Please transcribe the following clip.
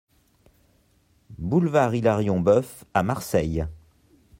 Boulevard Hilarion Boeuf à Marseille